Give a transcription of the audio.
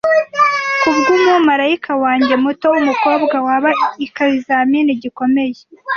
Kubwumumarayika wanjye muto wumukobwa waba ikizamini gikomeye.